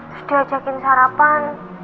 terus diajakin sarapan